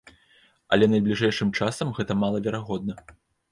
Але найбліжэйшым часам гэта малаверагодна.